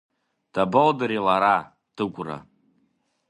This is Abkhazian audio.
Дабоудыри лара, Дыгәра?